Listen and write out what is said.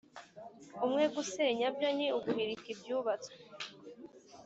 umwe gusenya byo ni uguhirika ibyubatswe